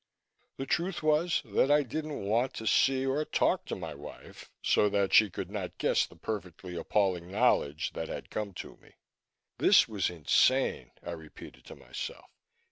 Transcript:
The truth was that I didn't want to see or talk to my wife so that she could not guess the perfectly appalling knowledge that had come to me. This was insane, I repeated to myself.